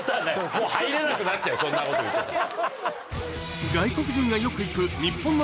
もう入れなくなっちゃうそんなこと言ってたら。